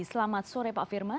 selamat sore pak firman